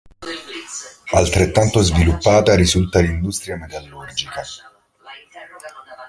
Altrettanto sviluppata risulta l'industria metallurgica.